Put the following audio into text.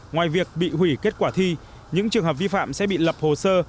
ngoài việc bị hủy kết quả thi những trường hợp vi phạm sẽ bị lập hồ sơ